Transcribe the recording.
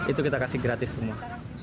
itu kita kasih gratis semua